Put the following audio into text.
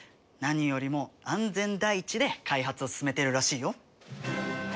何よりも安全第一で開発を進めてるらしいよ。